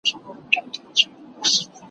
ما مخکي د سبا لپاره د يادښتونه ترتيب کړی وو،